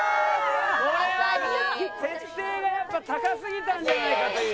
設定がやっぱ高すぎたんじゃないかという。